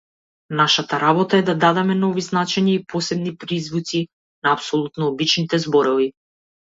Нашата работа е да дадеме нови значења и посебни призвуци на апсолутно обичните зборови.